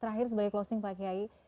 terakhir sebagai closing pak kiai